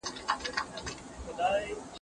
استاد کولای سي د څېړني په جریان کي بدلونونه راولي.